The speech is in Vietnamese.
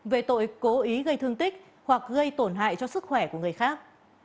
về tội cố ý gây thương tích hoặc gây tổn hại cho sức khỏe của người khác